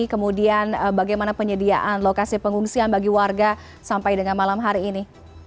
kemudian bagaimana penyediaan lokasi pengungsian bagi warga sampai dengan malam hari ini